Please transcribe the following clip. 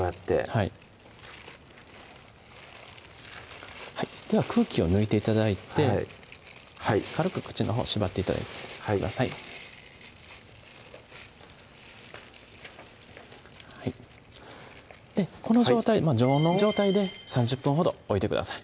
はいでは空気を抜いて頂いてはい軽く口のほう縛って頂いてはいこの状態常温の状態で３０分ほどおいてください